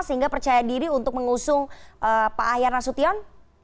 sehingga percaya diri untuk mengusung pak ahyar nasution